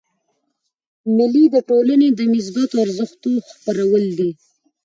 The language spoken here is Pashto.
مېلې د ټولني د مثبتو ارزښتو خپرول دي.